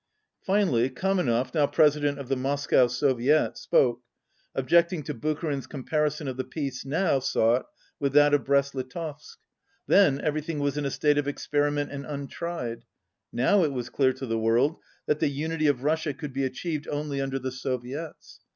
Finally, Kamenev, now President of the Mos cow Soviet, spoke, objecting to Bucharin's com parison of the peace now sought with that of Brest Litovsk. Then everything was in a state of ex periment and untried. Now it was clear to the world that the unity of Russia could be achieved only under the Soviets.